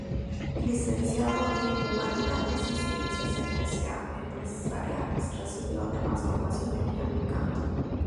Licenciado en Humanidades y Ciencias Empresariales, recibió además formación en piano y canto.